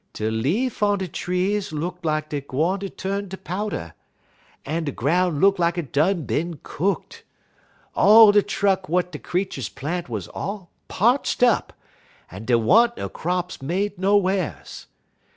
"De leaf on de trees look like dey gwine ter tu'n ter powder, un de groun' look like it done bin cookt. All de truck w'at de creeturs plant wuz all parched up, un dey wa'n't no crops made nowhars.